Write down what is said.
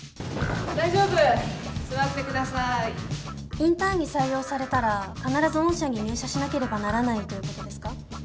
インターンに採用されたら必ず御社に入社しなければならないということですか？